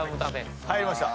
入りました。